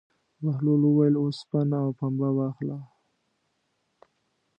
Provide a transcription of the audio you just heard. بهلول وویل: اوسپنه او پنبه واخله.